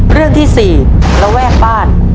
เรื่องที่๔ระแวกบ้าน